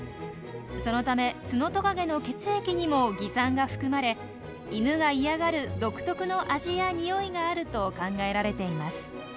そのためツノトカゲの血液にも蟻酸が含まれイヌが嫌がる独特の味や臭いがあると考えられています。